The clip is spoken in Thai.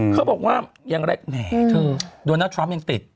เขาบอกว่ายังไงแหมคือโดนาทรัมป์ยังติด